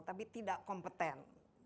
tapi tidak kompeten